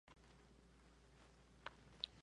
Que no tenga que repetírtelo dos veces